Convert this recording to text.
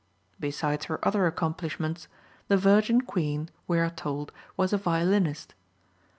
Besides her other accomplishments, the Virgin Queen, we are told, was a violinist.